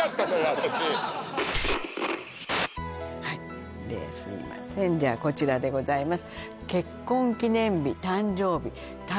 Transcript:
私はいですいませんじゃあこちらでございます